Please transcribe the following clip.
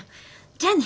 じゃあね。